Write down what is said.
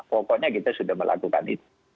pokoknya kita sudah melakukan itu